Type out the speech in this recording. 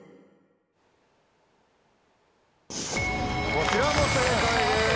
こちらも正解です。